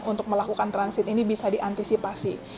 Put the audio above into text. untuk melakukan transit ini bisa diantisipasi